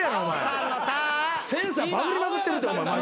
センサーバグりまくってるってお前マジで。